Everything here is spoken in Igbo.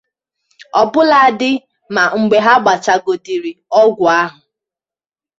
ọbụladị ma mgbe ha gbachagodiri ọgwụ ahụ